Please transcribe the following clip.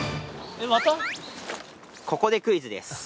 ここでクイズです。